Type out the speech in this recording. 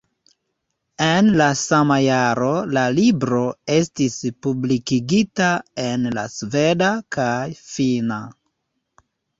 En la sama jaro la libro estis publikigita en la sveda kaj finna.